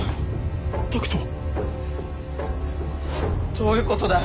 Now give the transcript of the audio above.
どういう事だよ！